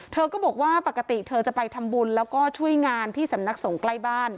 เธอก็บอกว่าปกติเธอจะไปทำบุญแล้วก็ช่วยงานที่สำนักสงฆ์ใกล้บ้าน